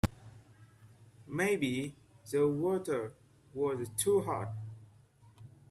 Maybe the water was too hot.